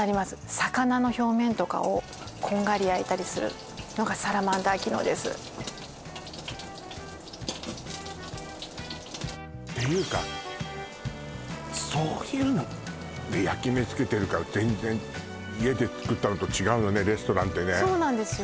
魚の表面とかをこんがり焼いたりするのがサラマンダー機能ですていうかそういうので焼き目つけてるから全然家で作ったのと違うのねレストランってねそうなんですよ